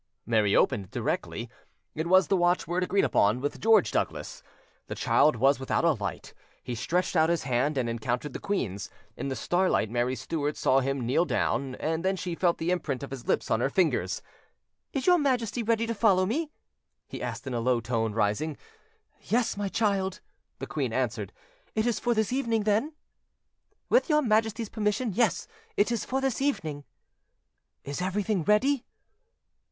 Mary opened, directly: it was the watchword agreed upon with George Douglas. The child was without a light. He stretched out his hand and encountered the queen's: in the starlight, Mary Stuart saw him kneel down; then she felt the imprint of his lips on her fingers. "Is your Majesty ready to follow me?" he asked in a low tone, rising. "Yes, my child," the queen answered: "it is for this evening, then?" "With your Majesty's permission, yes, it is for this evening." "Is everything ready?"